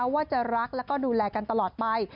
ว่าจะรักแล้วก็ดูแลกันตลอดไป